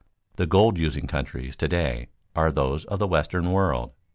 The gold using countries to day are those of the western world.